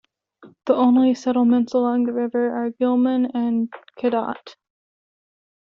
The only settlements along the river are Gilman and Cadott.